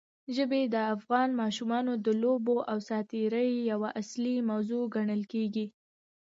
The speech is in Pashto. ژبې د افغان ماشومانو د لوبو او ساتېرۍ یوه اصلي موضوع ګڼل کېږي.